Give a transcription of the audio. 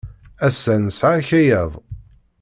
Ass-a, nesɛa akayad.